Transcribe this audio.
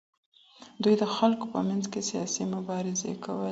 دوی د خلګو په منځ کي سياسي مبارزې کولې.